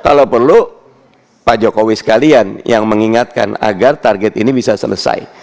kalau perlu pak jokowi sekalian yang mengingatkan agar target ini bisa selesai